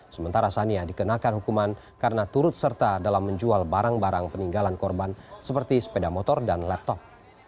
sementara sania dikenakan hukuman karena turut serta dalam menjual barang barang peninggalan korban seperti sepeda motor dan laptop